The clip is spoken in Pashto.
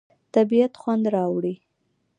طبیعت خوند راوړي.